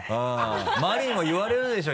周りにも言われるでしょ。